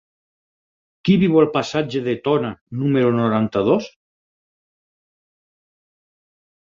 Qui viu al passatge de Tona número noranta-dos?